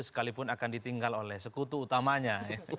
sekalipun akan ditinggal oleh sekutu utamanya